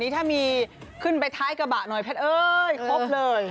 ถ้ามีขึ้นไปท้ายกระบะหน่อยแพทย์เอ้ยครบเลย